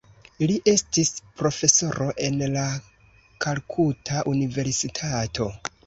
Li estis profesoro en la Kalkuta Universitato.